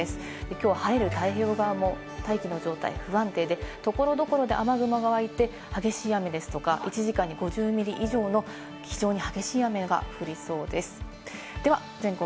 きょう晴れる太平洋側も大気の状態不安定で、所々で雨雲が湧いて激しい雨ですとか、１時間に５０ミリ以上の非常に激しい雨が降りそうです。